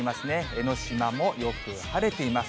江の島もよく晴れています。